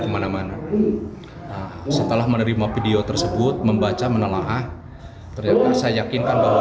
kemana mana setelah menerima video tersebut membaca menelaah ternyata saya yakinkan bahwa